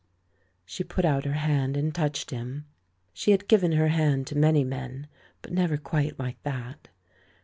She put out her hand and touched him. She had given her hand to many men, but never quite like that.